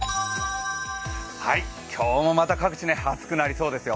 今日もまた各地、暑くなりそうですよ。